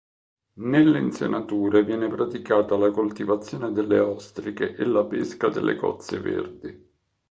Nelle insenature viene praticata la coltivazione delle ostriche e la pesca delle cozze verdi.